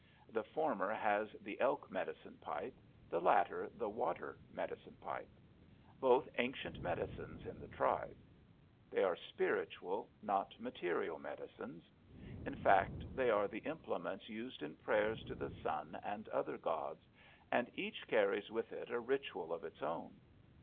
The former has the Elk medicine pipe, the latter the Water medicine pipe, both ancient medicines in the tribe. They are spiritual, not material, medicines. In fact, they are the implements used in prayers to the sun and other gods, and each carries with it a ritual of its own.